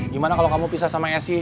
gimana kalau kamu pisah sama essi